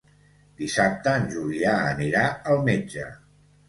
Dissabte en Julià anirà al metge.